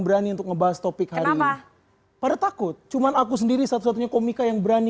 berani untuk ngebahas topik hari ini pada takut cuman aku sendiri satu satunya komika yang berani